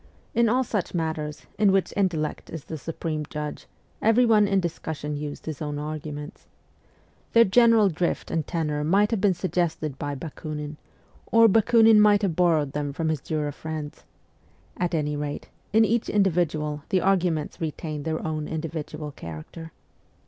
In all such matters, in which intellect is the supreme judge, everyone in discussion used his own arguments. Their FIRST JOURNEY ABROAD 75 general drift and tenor might have been suggested by Bakiinin, or Bakiinin might have borrowed them from his Jura friends at any rate, in each individual the arguments retained their own individual character.